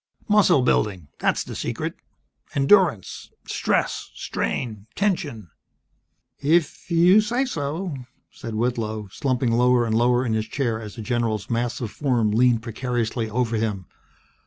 "Muscle building. That's the secret. Endurance. Stress. Strain. Tension." "If If you say so ..." said Whitlow, slumping lower and lower in his chair as the general's massive form leaned precariously over him.